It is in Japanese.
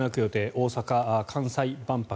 大阪・関西万博。